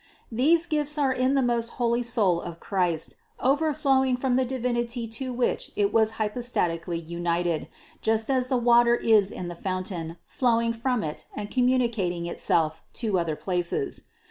These gifts were in the most holy soul of Christ, overflowing from the Divinity to which it was hypostatically united, just as the water is in the fountain, flowing from it and com municating itself to other places.